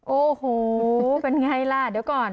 โอ้โหเป็นไงล่ะเดี๋ยวก่อน